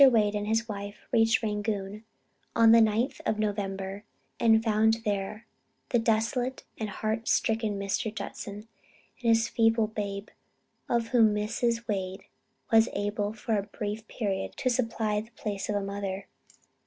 Wade and his wife reached Rangoon on the 9th of November, and found there the desolate and heart stricken Mr. Judson, and his feeble babe, of whom Mrs. Wade was able for a brief period to supply the place of a mother.